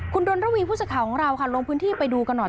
คุณดนระวีผู้สื่อข่าวของเราค่ะลงพื้นที่ไปดูกันหน่อย